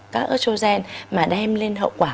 các estrogen mà đem lên hậu quả